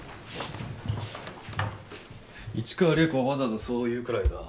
市川利枝子がわざわざそう言うくらいだ。